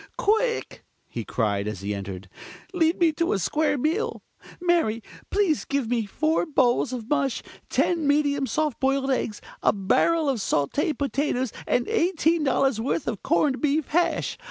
"Quick!" he cried, as he entered. "Lead me to a square meal. Mary, please give me four bowls of mush, ten medium soft boiled eggs, a barrel of sautée potatoes and eighteen dollars' worth of corned beef hash.